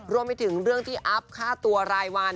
รวมไปถึงเรื่องที่อัพค่าตัวรายวัน